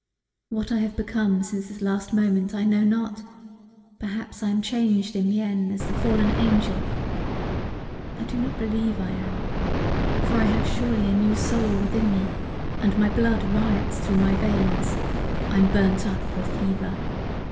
What I have become since this last moment I know not; perhaps I am changed in mien as the fallen archangel. I do believe I am for I have surely a new soul within me, and my blood riots through my veins: I am burnt up with fever.